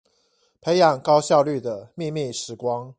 培養高效率的祕密時光